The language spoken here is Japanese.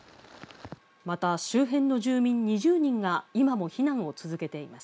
また、周辺の住民２０人が今も避難を続けています。